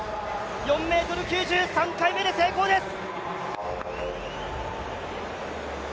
４ｍ９０、３回目で成功です。